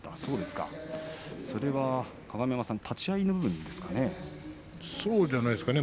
それは立ち合いの部分ですかね。